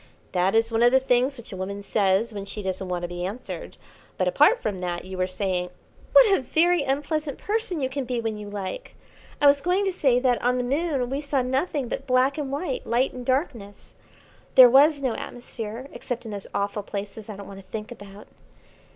"That is one of the things which a woman says when she doesn't want to be answered; but, apart from that, you were saying " "What a very unpleasant person you can be when you like! I was going to say that on the Moon we saw nothing but black and white, light and darkness. There was no atmosphere, except in those awful places I don't want to think about.